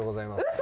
嘘？